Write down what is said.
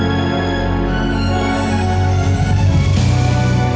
terima kasih sudah respon sosai